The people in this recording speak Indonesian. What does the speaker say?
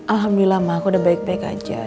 alhamdulillah mah aku udah baik baik aja